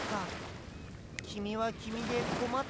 きみはきみでこまってたんだね。